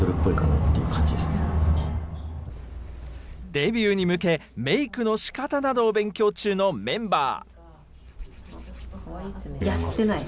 デビューに向け、メイクのしかたなどを勉強中のメンバー。